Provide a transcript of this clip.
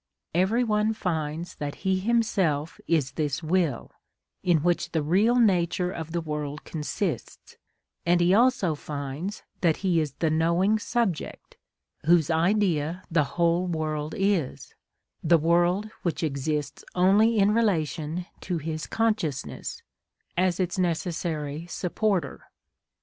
Every one finds that he himself is this will, in which the real nature of the world consists, and he also finds that he is the knowing subject, whose idea the whole world is, the world which exists only in relation to his consciousness, as its necessary supporter.